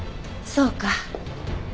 そうか。